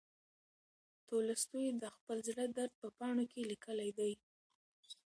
تولستوی د خپل زړه درد په پاڼو کې لیکلی دی.